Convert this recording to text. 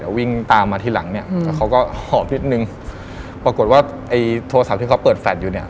วิ่งตามมาที่หลังเนี้ยอืมแล้วเขาก็หอบนิดนึงปรากฏว่าไอ้โทรศัพท์ที่เขาเปิดแฟลตอยู่เนี่ย